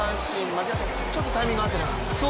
槙原さん、ちょっとタイミング合ってなかった？